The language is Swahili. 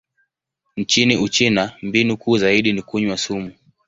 Nchini Uchina, mbinu kuu zaidi ni kunywa sumu.